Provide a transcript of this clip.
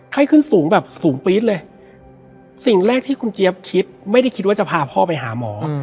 ไข้ขึ้นสูงแบบสูงปี๊ดเลยสิ่งแรกที่คุณเจี๊ยบคิดไม่ได้คิดว่าจะพาพ่อไปหาหมอ